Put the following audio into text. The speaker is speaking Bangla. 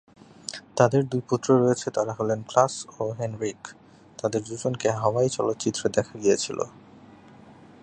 তাদের দুই পুত্র রয়েছে, তারা হলেন ক্লাস ও হেনরিক, তাদের দুজনকে "হাওয়াই" চলচ্চিত্রে দেখা গিয়েছিল।